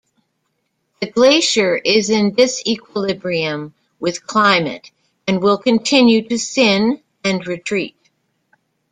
The glacier is in disequilibrium with climate and will continue to thin and retreat.